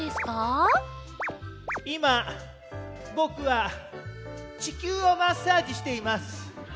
いまぼくはちきゅうをマッサージしています。